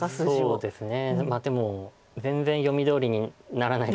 そうですよね。